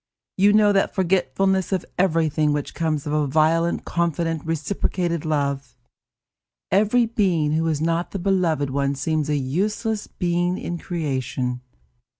You know that forgetfulness of everything which comes of a violent confident, reciprocated love. Every being who is not the beloved one seems a useless being in creation.